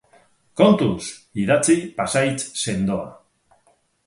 Kontuz! Idatzi pasahitz sendoa.